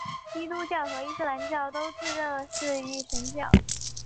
基督宗教和伊斯兰教都自认是一神教。